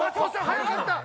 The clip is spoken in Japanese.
早かった！